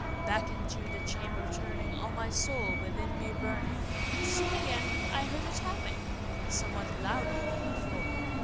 Back into the chamber turning, all my soul within me burning, Soon again I heard a tapping somewhat louder than before.